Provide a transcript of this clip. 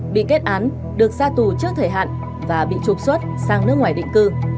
bị kết án được ra tù trước thời hạn và bị trục xuất sang nước ngoài định cư